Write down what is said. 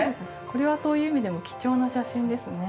これはそういう意味でも貴重な写真ですね。